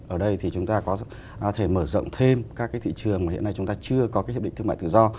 ở đây thì chúng ta có thể mở rộng thêm các cái thị trường mà hiện nay chúng ta chưa có cái hiệp định thương mại tự do